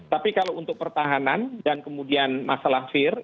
tapi kalau untuk pertahanan dan kemudian masalah fir